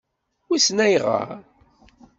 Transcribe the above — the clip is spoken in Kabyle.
Wissen ayɣeṛ.